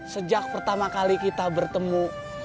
sejak pertama kali kita bertemu